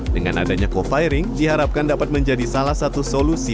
dengan adanya co firing diharapkan dapat menjadi salah satu solusi